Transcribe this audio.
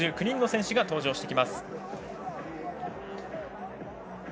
３９人の選手が登場してきます。